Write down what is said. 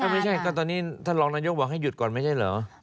ไม่ใช่ก็ตอนนี้ท่านรองนายกบอกให้หยุดก่อนไม่ใช่เหรอ